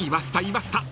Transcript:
いました！］